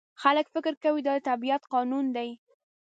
خلک فکر کوي دا د طبیعت قانون دی.